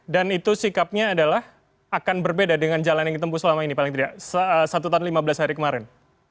dan itu sikapnya adalah akan berbeda dengan jalan yang ditempuh selama ini paling tidak satu tahun lima belas hari kemarin